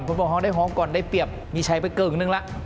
พวกเราได้ห้องก่อนได้เปรียบมีชัยไปเกินกันหนึ่งแล้ว